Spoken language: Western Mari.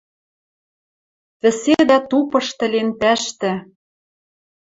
Вӹседӓ тупышты лентӓштӹ